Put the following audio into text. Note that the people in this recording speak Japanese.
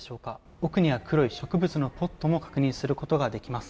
奥には黒い植物のポットも確認することができます。